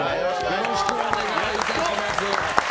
よろしくお願いします。